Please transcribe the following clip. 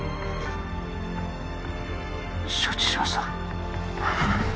承知しました